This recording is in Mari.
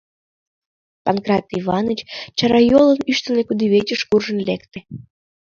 Панкрат Иваныч чарайолын, ӱштыле кудывечыш куржын лекте.